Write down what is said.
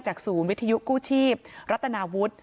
ศูนย์วิทยุกู้ชีพรัฐนาวุฒิ